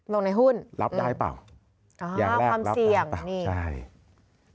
ลงในหุ้นอืมอ๋อความเสี่ยงนี่รับได้เปล่าใช่